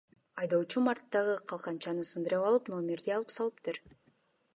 Айдоочум арттагы калканчаны сындырып алып, номерди алып салыптыр.